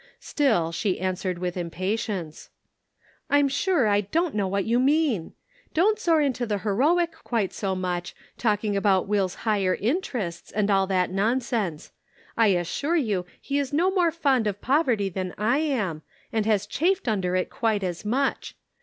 Still she answered with impatience : "I'm sure I don't know what you mean. Don't soar into the heroic quite so much talk ing about Will's ' higher interests,' and all that nonsense. I assure you he is no more fond of poverty than I am, and has chafed under it quite as much.